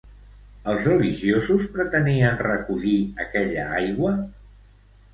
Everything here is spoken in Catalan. Els religiosos pretenien recollir aquella aigua?